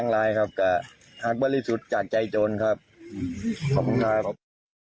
รักบริสุทธิ์จากใจโจรครับขอบคุณครับ